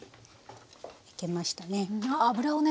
焼けましたね。